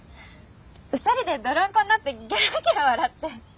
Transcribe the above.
２人で泥んこになってゲラゲラ笑って。